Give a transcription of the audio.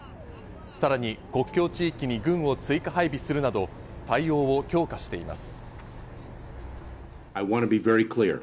さらに国境地域に軍を追加配備するなど対応を強化しています。